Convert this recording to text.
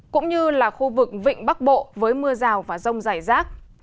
cũng như là khu vực vịnh bắc bộ với mưa rào và rông dài rác